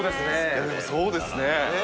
いやでもそうですね。